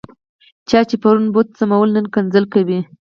چا چې پرون بوټ سمول، نن کنځل کوي.